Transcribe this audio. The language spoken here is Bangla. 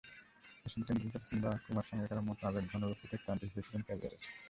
শচীন টেন্ডুলকার কিংবা কুমার সাঙ্গাকারার মতো আবেগঘন বক্তৃতায় ইতি টানতে চেয়েছিলেন ক্যারিয়ারের।